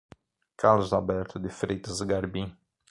Carlos Alberto de Freitas Garbim